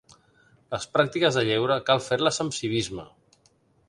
Les pràctiques de lleure cal fer-les amb civisme.